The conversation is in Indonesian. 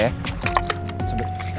terimakasih undert voltar